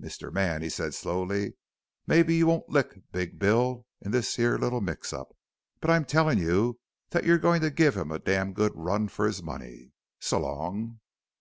"Mister man," he said slowly, "mebbe you won't lick Big Bill in this here little mix up, but I'm telling you that you're goin' to give him a damn good run for his money! So long."